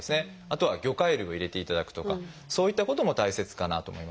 あとは魚介類を入れていただくとかそういったことも大切かなと思います。